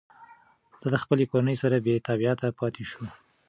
ده د خپلې کورنۍ سره بېتابعیت پاتې شو.